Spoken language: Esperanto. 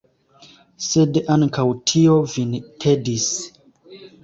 Sed ankaŭ tio vin tedis!